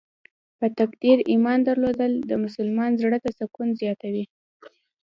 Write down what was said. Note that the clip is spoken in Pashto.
په تقدیر ایمان درلودل د مسلمان زړه ته سکون زیاتوي.